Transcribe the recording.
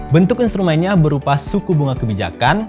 bentuk instrumennya berupa suku bunga kebijakan